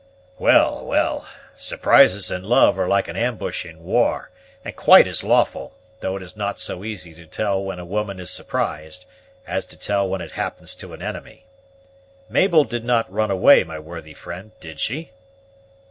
"Well, well, surprises in love are like an ambush in war, and quite as lawful; though it is not so easy to tell when a woman is surprised, as to tell when it happens to an enemy. Mabel did not run away, my worthy friend, did she?"